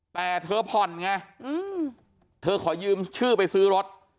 แต่เธอผ่อนไงเธอขอยืมชื่อไปซื้อรถ